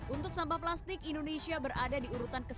untuk sampah plastik indonesia berada di urutan ke sebelas